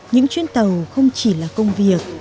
những chuyến tàu không chỉ là công việc